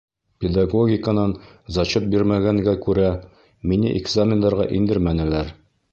Педагогиканан зачет бирмәгәнгә күрә, мине экзамендарға индермәнеләр